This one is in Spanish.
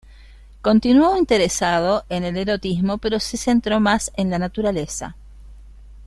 Continuó interesado en el erotismo, pero se centró más en la naturaleza.